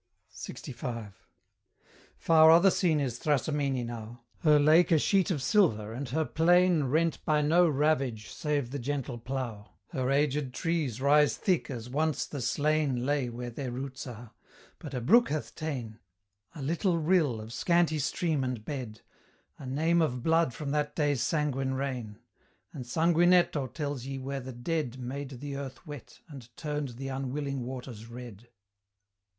LXV. Far other scene is Thrasimene now; Her lake a sheet of silver, and her plain Rent by no ravage save the gentle plough; Her aged trees rise thick as once the slain Lay where their roots are; but a brook hath ta'en A little rill of scanty stream and bed A name of blood from that day's sanguine rain; And Sanguinetto tells ye where the dead Made the earth wet, and turned the unwilling waters red.